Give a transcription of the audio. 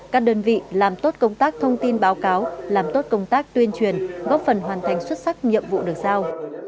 các đơn vị làm tốt công tác thông tin báo cáo làm tốt công tác tuyên truyền góp phần hoàn thành xuất sắc nhiệm vụ được giao